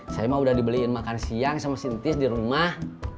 saya mah udah dibeliin makan siang sama sintis di rumah